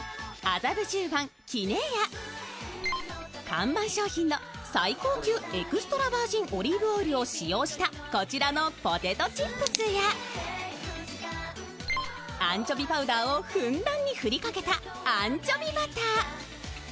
看板商品の最高級エクストラバージンオリーブオイルを使用したこちらのポテトチップスやアンチョビパウダーをふんだんにふりかけたアンチョビバター。